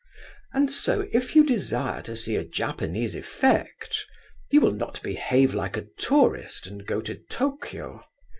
And so, if you desire to see a Japanese effect, you will not behave like a tourist and go to Tokio.